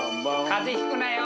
風邪引くなよ！